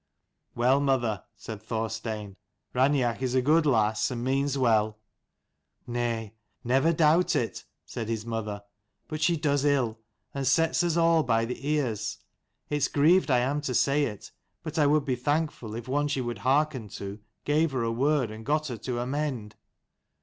" Well, mother," said Thorstein, ' Raineach is a good lass, and means well." " Nay, never doubt it," said his mother. " But she does ill, and sets us all by the ears. It's grieved I am to say it, but I would be thankful if one she would hearken to gave her a word and got her to amend."